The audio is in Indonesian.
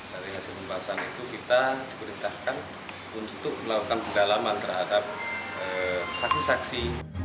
dari hasil pembahasan itu kita diperintahkan untuk melakukan pendalaman terhadap saksi saksi